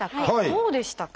どうでしたか？